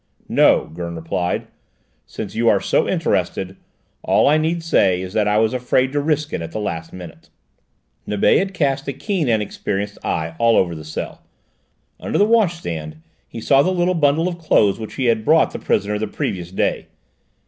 "No," Gurn replied; "since you are so interested, all I need say is that I was afraid to risk it at the last minute." Nibet had cast a keen and experienced eye all over the cell; under the washstand he saw the little bundle of clothes which he had brought the prisoner the previous day.